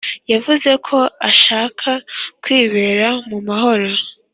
yavuze ko ashaka kwibera mu mahoro